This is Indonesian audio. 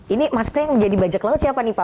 ini maksudnya yang menjadi bajak laut siapa nih pak